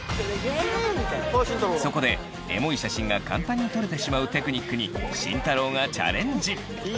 そこでエモい写真が簡単に撮れてしまうテクニックに慎太郎がチャレンジ！